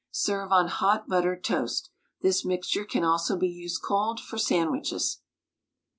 Serve on hot buttered toast. This mixture can also be used cold for sandwiches.